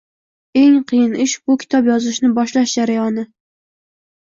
eng qiyin ish bu kitob yozishni boshlash jarayoni